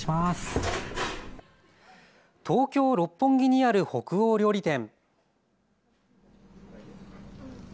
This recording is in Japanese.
東京六本木にある北欧料理店。